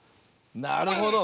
なるほど。